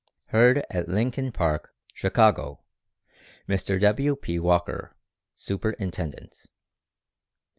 _Herd at Lincoln Park, Chicago, Mr. W. P. Walker, superintendent.